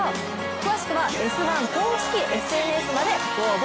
詳しくは「Ｓ☆１」公式ＳＮＳまでご応募